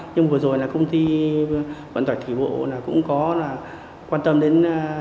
nhưng vừa rồi là công ty quận tải thủy bộ cũng có quan tâm đến